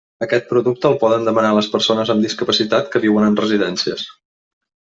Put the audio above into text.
Aquest producte el poden demanar les persones amb discapacitat que viuen en residències.